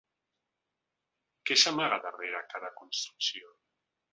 Què s’amaga darrere cada construcció?